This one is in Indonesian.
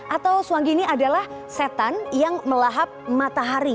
atau sewanggi ini adalah setan yang melahap matahari